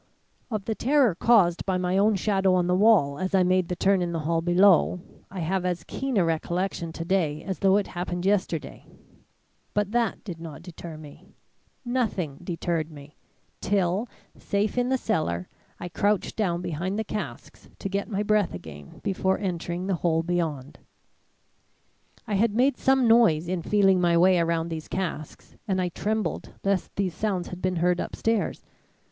"Of the terror caused by my own shadow on the wall as I made the turn in the hall below, I have as keen a recollection to day as though it happened yesterday. But that did not deter me; nothing deterred me, till safe in the cellar I crouched down behind the casks to get my breath again before entering the hole beyond. "I had made some noise in feeling my way around these casks, and I trembled lest these sounds had been heard upstairs!